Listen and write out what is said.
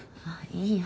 いいよ。